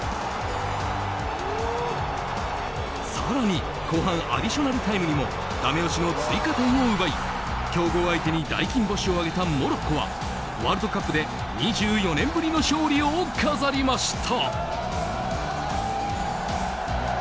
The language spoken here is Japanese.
更に後半アディショナルタイムにもダメ押しの追加点を奪い強豪相手に大金星を挙げたモロッコはワールドカップで２４年ぶりの勝利を飾りました。